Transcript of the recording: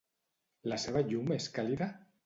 La seva llum és càlida?